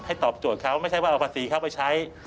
ตอบโจทย์เขาไม่ใช่ว่าเอาภาษีเขาไปใช้